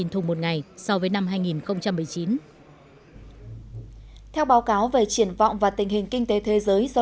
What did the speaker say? thùng một ngày so với năm hai nghìn một mươi chín theo báo cáo về triển vọng và tình hình kinh tế thế giới do